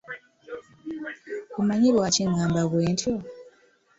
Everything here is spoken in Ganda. Omanyi Lwaki ngamba bwentyo?